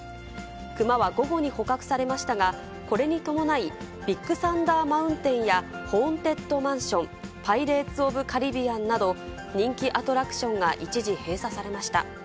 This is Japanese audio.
クマは午後に捕獲されましたが、これに伴い、ビッグサンダー・マウンテンやホーンテッド・マンション、パイレーツ・オブ・カリビアンなど、人気アトラクションが一時閉鎖されました。